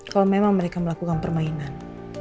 kalau memang mereka melakukan permainan